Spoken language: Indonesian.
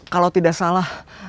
kalau tidak salah